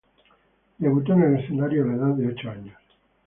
Debutó en el escenario a la edad de ocho años.